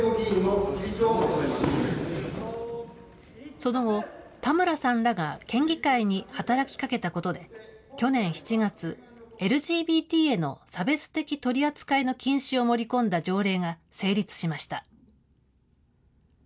その後、田村さんらが県議会に働きかけたことで、去年７月、ＬＧＢＴへの差別的取り扱いの禁止を盛り込んだ条例が成立しました。